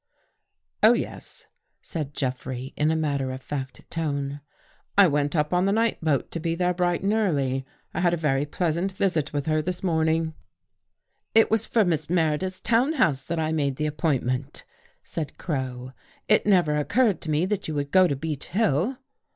" Oh, yes," said Jeffrey in a matter of fact tone, " I went up on the night boat to be there bright and early. I had a very pleasant visit with her this morning." 183 THE GHOST GIRL " It was for Miss Meredith's town house that I made the appointment," said Crow. " It never oc curred to me that you would go to Beech Hill."